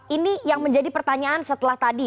ini yang menjadi pertanyaan setelah tadi